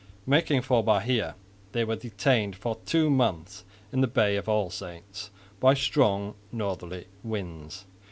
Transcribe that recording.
Making for Bahia they were detained for two months in the Bay of All Saints by strong northerly winds.